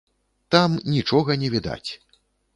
Там нічога не відаць.